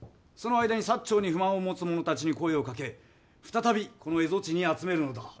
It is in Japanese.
その間に長に不満を持つ者たちに声をかけ再びこの蝦夷地に集めるのだ。